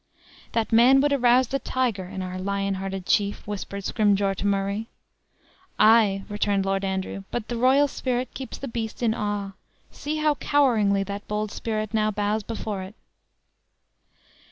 "That man would arouse the tiger in our lion hearted chief!" whispered Scrymgeour to Murray. "Ay," returned Lord Andrew; "but the royal spirit keeps the beast in awe see how coweringly that bold spirit now bows before it!"